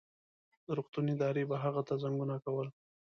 د روغتون ادارې به هغه ته زنګونه کول.